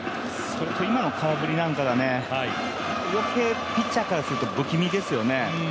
今の空振りなんか、余計ピッチャーからすると不気味ですよね。